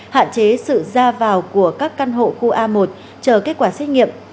hạn chế sự ra vào của các căn hộ khu a một chờ kết quả xét nghiệm